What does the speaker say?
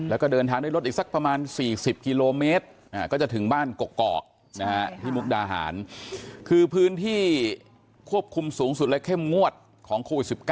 แล้วก็เดินทางด้วยรถอีกสักประมาณ๔๐กิโลเมตรก็จะถึงบ้านกกอกที่มุกดาหารคือพื้นที่ควบคุมสูงสุดและเข้มงวดของโควิด๑๙